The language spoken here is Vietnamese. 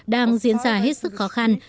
đang diễn ra hết sức khó khăn